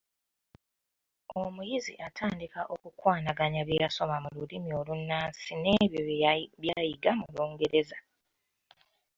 Omuyizi atandika okukwanaganya bye yasoma mu lulimi olunnansi n’ebyo byayiga mu lungereza.